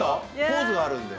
ポーズがあるんで。